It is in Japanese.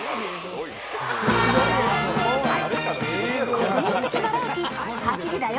国民的バラエティー「８時だョ！